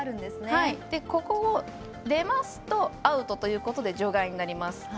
ここを出ますとアウトということで場外になります。